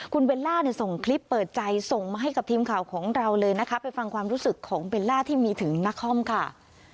คุณเบลล่าเนี่ยส่งคลิปเปิดใจส่งมาให้กับทีมข่าวของเราเลยนะคะไปฟังความรู้สึกของเบลล่าที่มีถึงนครค่ะ